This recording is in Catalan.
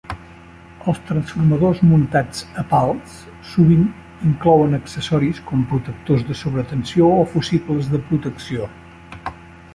Els transformadors muntats a pals sovint inclouen accessoris com protectors de sobretensió o fusibles de protecció.